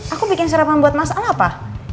aku bikin sarapan buat mas al apa